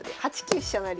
８九飛車成。